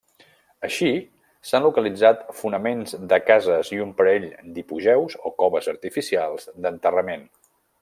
Així, s'han localitzat fonaments de cases i un parell d'hipogeus o coves artificials d'enterrament.